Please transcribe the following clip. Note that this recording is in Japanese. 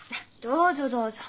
どうぞどうぞ。